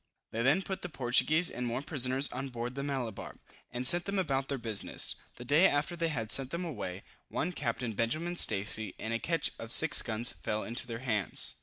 They then put the Portuguese and Moor prisoners on board the Malabar, and sent them about their business. The day after they had sent them away, one Captain Benjamin Stacy, in a ketch of 6 guns fell into their hands.